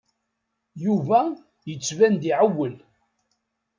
Yuba yettban-d iɛewwel.